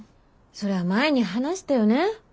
それは前に話したよね。